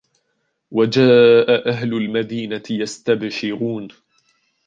وجاء أهل المدينة يستبشرون